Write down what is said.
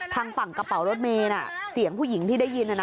ทางฝั่งกระเป๋ารถเมย์เสียงผู้หญิงที่ได้ยิน